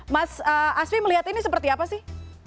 mas asfi melihat ini seperti apa sih